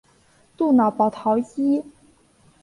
杜瑙保陶伊。